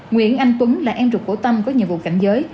nguyễn anh tuấn là em rục cổ tâm có nhiệm vụ cảnh giới